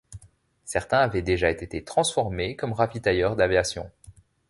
Certains avaient déjà été transformés comme ravitailleurs d'aviation.